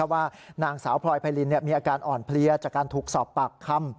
ว่านางสาวพลอยไพรินมีอาการอ่อนเพลียจากการถูกสอบปากคำ